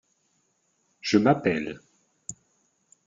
Je m’appelle…